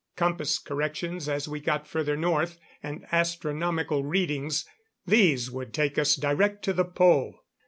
Compass corrections as we got further north and astronomical readings, these would take us direct to the Pole.